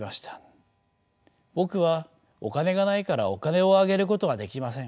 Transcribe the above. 僕はお金がないからお金をあげることはできません。